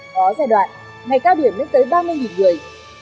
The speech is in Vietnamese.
có giai đoạn ngày cao điểm lên tới ba mươi người